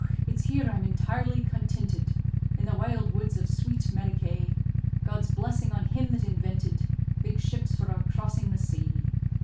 it's here I'm intirely continted, In the wild woods of swate 'Mericay; God's blessing on him that invinted Big ships for our crossing the say!